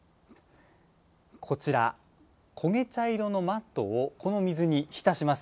こちら、焦げ茶色のマットをこの水に浸します。